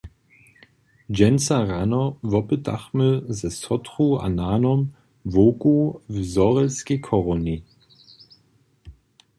Dźensa rano wopytachmy ze sotru a nanom wowku w Zhorjelskej chorowni.